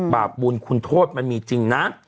บาปบุญคุณโทษมันมีจริงนะ